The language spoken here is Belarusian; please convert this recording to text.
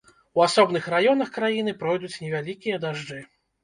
У асобных раёнах краіны пройдуць невялікія дажджы.